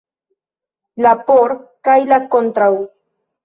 La "por" kaj la "kontraŭ".